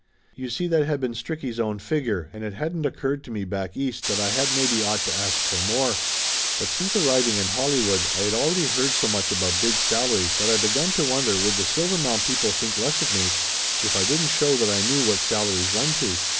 You see that had been Stricky' s own figure and it hadn't oc curred to me back East that I had maybe ought to ask for more. But since arriving in Hollywood I had al ready heard so much about big salaries that I begun to wonder would the Silvermount people think less of me if I didn't show that I knew what salaries run to?